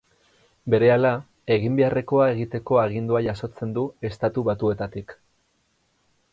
Berehala, egin beharrekoa egiteko agindua jasotzen du Estatu Batuetatik.